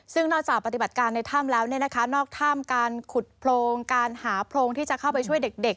ซึ่งนอกจากปฏิบัติการในถ้ำแล้วนอกถ้ำการขุดโพรงการหาโพรงที่จะเข้าไปช่วยเด็ก